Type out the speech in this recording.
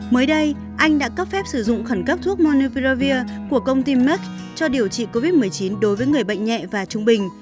mới đây anh đã cấp phép sử dụng khẩn cấp thuốc moneprovir của công ty mek cho điều trị covid một mươi chín đối với người bệnh nhẹ và trung bình